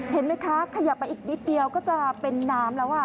เห็นไหมคะขยับไปอีกนิดเดียวก็จะเป็นน้ำแล้ว